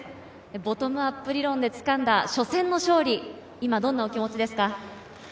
ボトムアップ理論でつかんだ初戦の勝利、今どんなお気持ちですか？